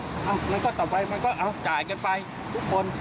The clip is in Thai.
แล้วก็ต่อไปมันก็เอาจ่ายกันไปทุกคน